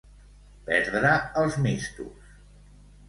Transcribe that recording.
Perdre els mistos.